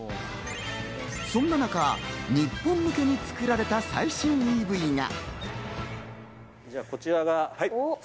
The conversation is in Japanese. そんな中、日本向けに作られた最新ＥＶが。